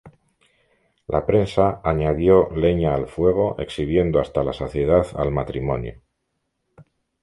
La prensa añadió leña al fuego exhibiendo hasta la saciedad al matrimonio.